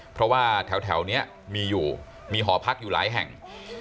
เพราะว่าแถวนี้มีอยู่มีหอพักอยู่หลายแห่ง